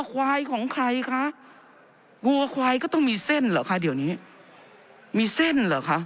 ควายของใครคะวัวควายก็ต้องมีเส้นเหรอคะเดี๋ยวนี้มีเส้นเหรอคะ